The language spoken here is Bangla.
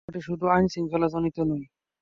সমস্যাটি শুধু আইনশৃঙ্খলাজনিত নয়।